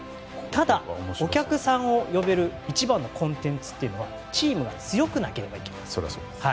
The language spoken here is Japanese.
ただ、お客さんを呼べる一番のコンテンツというのはチームが強くなければいけません。